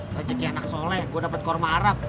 rezeki anak soleh gue dapat kurma arab